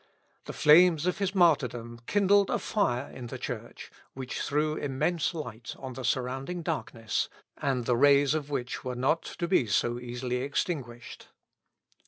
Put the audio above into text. The flames of his martyrdom kindled a fire in the Church, which threw immense light on the surrounding darkness, and the rays of which were not to be so easily extinguished.